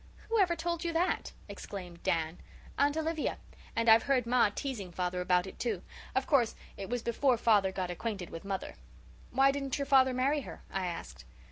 "Who ever told you that?" exclaimed Dan. "Aunt Olivia. And I've heard ma teasing father about it, too. Of course, it was before father got acquainted with mother." "Why didn't your father marry her?" I asked.